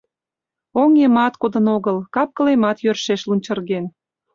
Оҥемат кодын огыл, кап-кылемат йӧршеш лунчырген.